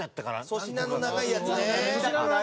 粗品の長いやつ。